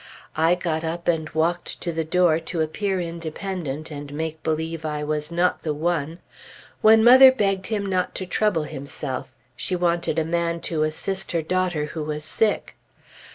I got up and walked to the door to appear independent and make believe I was not the one, when mother begged him not to trouble himself; she wanted a man to assist her daughter who was sick.